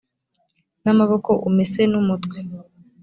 n amaboko umese n umutwe